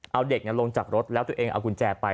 เอาเด็กลงจากรถแล้วตัวเองเอากุญแจไป